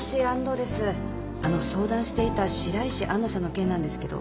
あの相談していた白石杏奈さんの件なんですけど。